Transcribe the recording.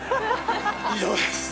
以上です。